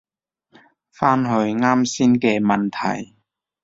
返去啱先嘅問題